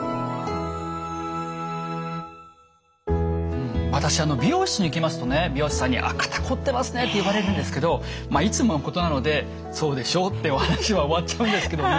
うん私あの美容室に行きますとね美容師さんに「あっ肩こってますね」って言われるんですけどいつものことなので「そうでしょ」ってお話は終わっちゃうんですけどね。